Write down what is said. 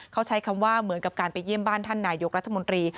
เขาใช้คำว่าเหมือนกับการไปเยี่ยมบ้านท่านนายกรัฐมนตรี